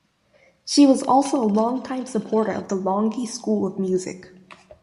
She was also a long-time supporter of the Longy School of Music.